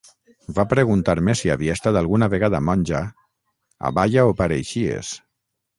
Va preguntar-me si havia estat alguna vegada monja, a Baia ho pareixies!